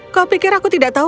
kau pikir aku tidak tahu